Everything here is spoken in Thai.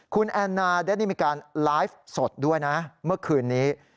คุณแอนนาได้มีการไลฟ์สดด้วยนะเมื่อคืนนี้